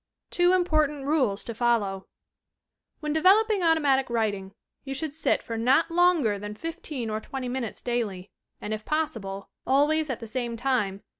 TWO IMPORTANT RULES TO FOLLOW When developing automatic writing, you should sit for not longer than fifteen or twenty minutes daily and, if possible, always at the same time.